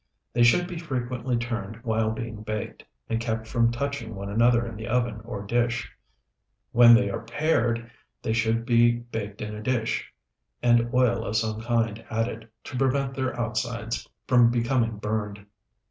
They should be frequently turned while being baked, and kept from touching one another in the oven or dish. When they are pared, they should be baked in a dish, and oil of some kind added, to prevent their outsides from becoming burned.